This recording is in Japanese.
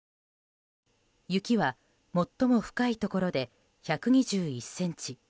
雪は最も深いところで１２１ｃｍ。